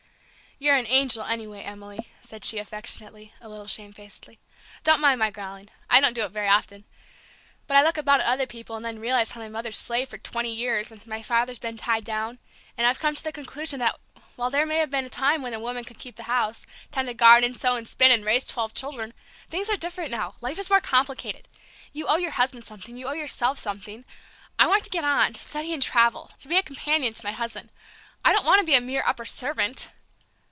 "You're an angel, anyway, Emily," said she, affectionately, a little shamefacedly. "Don't mind my growling. I don't do it very often. But I look about at other people, and then realize how my mother's slaved for twenty years and how my father's been tied down, and I've come to the conclusion that while there may have been a time when a woman could keep a house, tend a garden, sew and spin and raise twelve children, things are different now; life is more complicated. You owe your husband something, you owe yourself something. I want to get on, to study and travel, to be a companion to my husband. I don't want to be a mere upper servant!"